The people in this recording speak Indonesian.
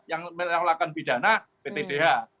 yang melakukan pidana pt dh